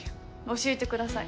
教えてください。